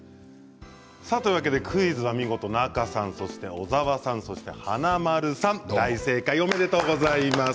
クイズは見事、仲さん小沢さん、そして華丸さん大正解、おめでとうございます。